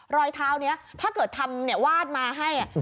รอยเท้านี้ถ้าเกิดทำเนี่ยวาดมาให้